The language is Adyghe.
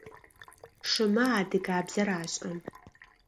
Шымэ адыгабзэр ашӏэ.